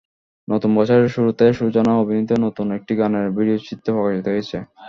নতুন বছরের শুরুতে সুজানা অভিনীত নতুন একটি গানের ভিডিওচিত্র প্রকাশিত হয়েছে।